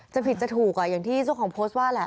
ผิดจะถูกอย่างที่เจ้าของโพสต์ว่าแหละ